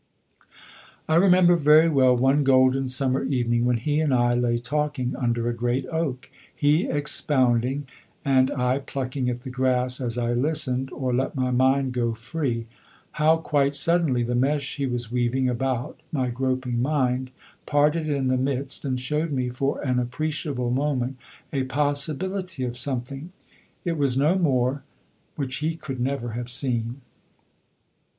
I remember very well one golden summer evening when he and I lay talking under a great oak he expounding and I plucking at the grass as I listened, or let my mind go free how, quite suddenly, the mesh he was weaving about my groping mind parted in the midst and showed me for an appreciable moment a possibility of something it was no more which he could never have seen.